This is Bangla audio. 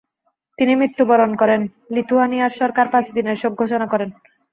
তিনি মৃত্যুবরণ করেন, লিথুয়ানিয়ার সরকার পাঁচ দিনের শোক ঘোষণা করে।